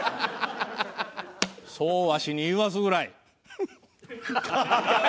そうわしに言わすぐらい。